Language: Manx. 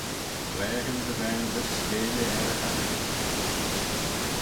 Blaaghyn dy vaynrys skeaylley er y chassan.